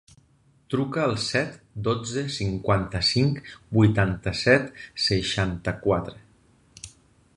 Truca al set, dotze, cinquanta-cinc, vuitanta-set, seixanta-quatre.